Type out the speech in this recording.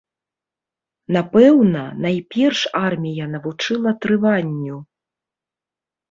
Напэўна, найперш армія навучыла трыванню.